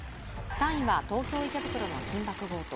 ３位は東京・池袋の緊縛強盗。